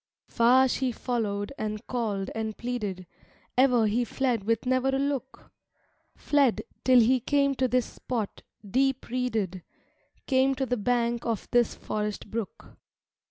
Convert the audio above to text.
IV Far she followed and called and pleaded, Ever he fled with never a look; Fled, till he came to this spot, deep reeded, Came to the bank of this forest brook.